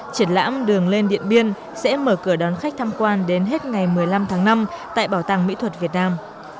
triển lãm đường lên điện biên sẽ mở cửa đón khách tham quan đến hết ngày một mươi năm tháng năm tại bảo tàng mỹ thuật việt nam